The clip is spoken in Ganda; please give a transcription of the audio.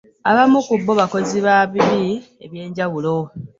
Abamu ku bo bakozi ba bibi eby'enjawulo.